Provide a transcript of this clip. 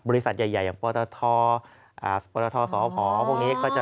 บริษัทใหญ่อย่างโปรตาทอร์โปรตาทอร์สองอ้าวพวกนี้